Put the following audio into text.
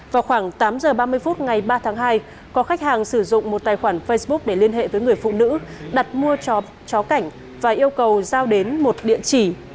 vào khoảng tám h ba mươi phút ngày ba tháng hai có khách hàng sử dụng một tài khoản facebook để liên hệ với người phụ nữ đặt mua cho chó cảnh và yêu cầu giao đến một địa chỉ